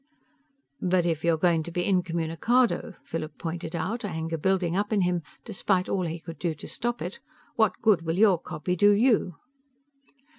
"But if you're going to be incommunicado," Philip pointed out, anger building up in him despite all he could do to stop it, "what good will your copy do you?"